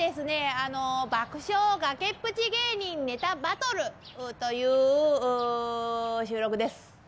あの「爆笑崖っぷち芸人ネタバトル」という収録です。